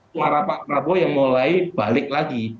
suara pak prabowo yang mulai balik lagi